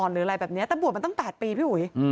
หรืออะไรแบบนี้แต่บวชมันตั้ง๘ปีพี่อุ๋ย